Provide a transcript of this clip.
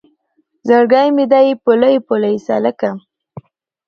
زړګی مې دی پولۍ پولۍ سالکه